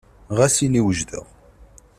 Ɣas ini wejdeɣ.